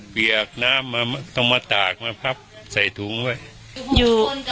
เปียกน้ำมาต้องมาตากมาพับใส่ถุงไว้อยู่